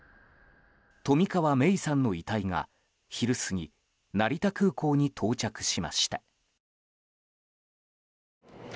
冨川芽生さんの遺体が昼過ぎ成田空港に到着しました。